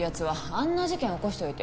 あんな事件起こしといて